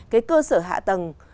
cái cơ sở hạ tầng